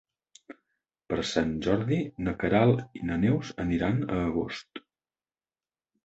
Per Sant Jordi na Queralt i na Neus aniran a Agost.